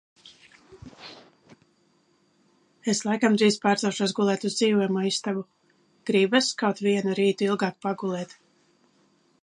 Es laikam drīz pārcelšos gulēt uz dzīvojamo istabu, gribas kaut vienu rītu ilgāk pagulēt.